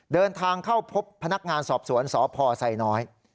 เดินทางเข้าพบพนักงานสอบสวนสพไซน้อย